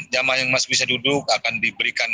jamaah yang masih bisa duduk akan diberikan